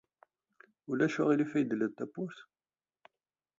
Ulac aɣilif ma tledyeḍ-d tawwurt?